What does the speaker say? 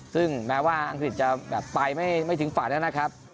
ซึ่งแม้ว่าอังกฤษจะแบบไปไม่ถึงฝันนะครับ